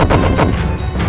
beri dukungan anda di nomer'nis